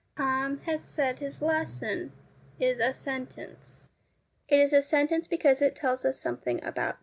1 Tom has said his lesson ' is a sentence. It is a sentence because it tells us something about Tom.